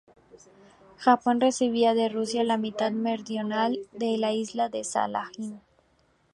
Japón recibía de Rusia la mitad meridional de la isla de Sajalín.